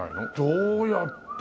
どうやって。